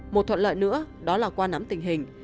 một thuận lợi nữa đó là qua nắm tình hình